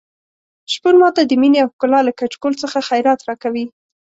شپون ماته د مينې او ښکلا له کچکول څخه خیرات راکوي.